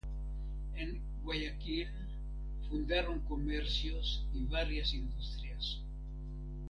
En Guayaquil fundaron comercios y varias industrias.